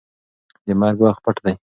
د مرګ وخت پټ دی.